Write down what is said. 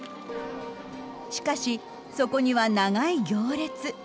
しかしそこには長い行列。